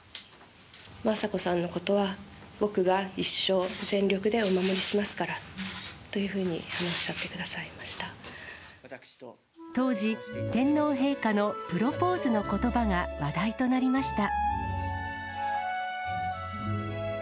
雅子さんのことは、僕が一生全力でお守りしますからというふうに話してくださいまし当時、天皇陛下のプロポーズのことばが話題となりました。